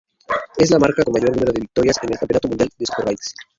Es la marca con mayor número de victorias en el Campeonato Mundial de Superbikes.